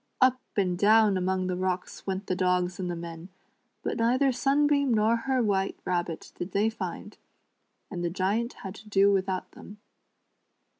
Up and down among the rocks went the dogs and the men, but neither Sunbeam nor her White Rabbit did they find, and the Giant had to do without them.